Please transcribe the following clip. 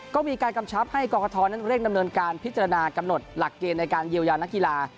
ก็มีการกำชับให้กรกฐนั้นเร่งดำเนินการพิจารณากำหนดหลักเกณฑ์ในการเยียวยานักกีฬา